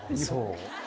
そう？